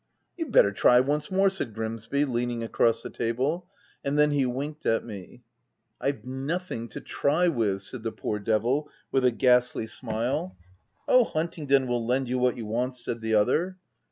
"' You'd better try once more,' said Grimsby, leaning across the table. And then he winked at me. iC f Pve nothing to try with, 5 said the poor devil, with a ghastly smile. 36 THE TENANT "' Oh, Huntingdon will lend you what you want/ said the other.